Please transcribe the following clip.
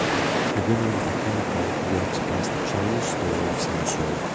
A woman with a handbag walks past a chinese store of some sort.